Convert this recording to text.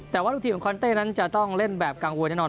แต่ว่าลูกทีมของคอนเต้นั้นจะต้องเล่นแบบกังวลแน่นอน